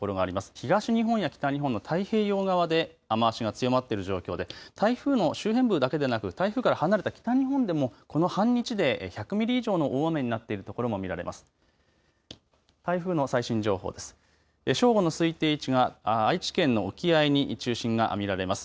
東日本や北日本の太平洋側で雨足が強まっている状況で台風の周辺部だけでなく台風から離れた北日本でもこの半日で１００ミリ以上の大雨になっているところも見られます。